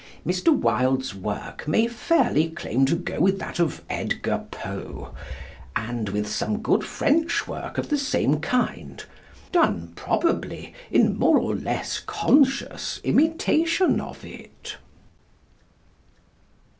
Mr. Wilde's work may fairly claim to go with that of Edgar Poe, and with some good French work of the same kind, done, probably, in more or less conscious imitation of it.